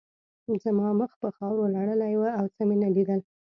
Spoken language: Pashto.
زما مخ په خاورو لړلی و او څه مې نه لیدل